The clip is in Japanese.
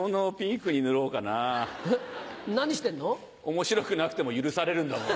面白くなくても許されるんだもん。